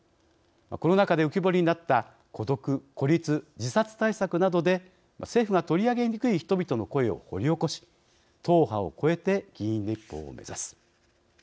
コロナ禍で浮き彫りになった孤独・孤立・自殺対策などで政府が取り上げにくい人々の声を掘り起こし党派を超えて議員立法を目指す。